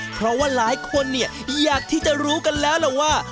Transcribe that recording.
เพราะว่าหลายคนอยากที่จะรู้กันแล้วว่า